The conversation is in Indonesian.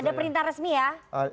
ada perintah resmi ya